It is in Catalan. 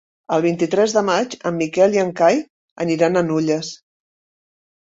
El vint-i-tres de maig en Miquel i en Cai aniran a Nulles.